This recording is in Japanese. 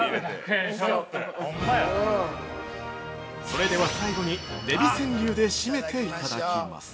◆それでは最後にデヴィ川柳で締めていただきます。